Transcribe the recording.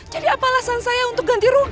jadi apa alasan saya untuk ganti rugi